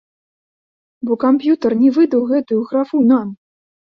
Бо камп'ютар не выдаў гэтую графу нам!